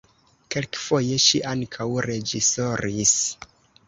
Kelkfoje ŝi ankaŭ reĝisoris.